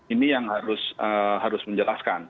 ini yang harus menjelaskan